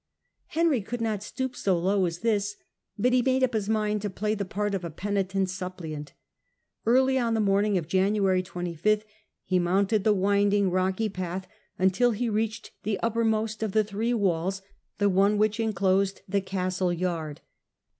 Henry could not stoop so low as this, but he made up his mind to play the part of Hia penance * P^oiteii* suppliaut. Early on the morning of at Canossa January 25 he mounted the winding, rocky path, until he reached the uppermost of the three walls, the one which enclosed the castle yard.